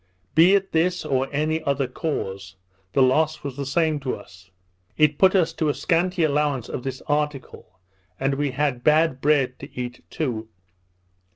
Be it this, or any other cause, the loss was the same to us; it put us to a scanty allowance of this article; and we had bad bread to eat too.